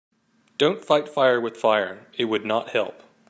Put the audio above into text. Don‘t fight fire with fire, it would not help.